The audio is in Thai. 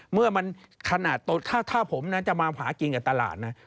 เมื่อมันขนาดถ้าผมนะจะมาหากินกับตลาดนะ